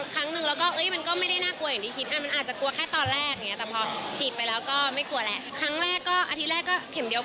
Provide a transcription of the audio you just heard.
กลับมา๓เดือนเลยกลับมาค่อยทำทีเดียว